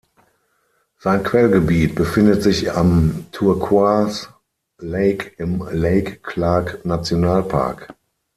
Sein Quellgebiet befindet sich am Turquoise Lake im Lake-Clark-Nationalpark.